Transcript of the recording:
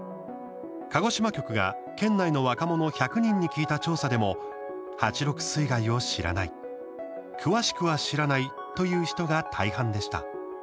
鹿児島局が、県内の若者１００人に聞いた調査でも８・６水害を知らない詳しくは知らないという人が大半でした。